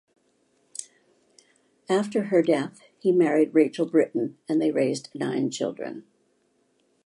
After her death, he married Rachel Britton, and they raised nine children.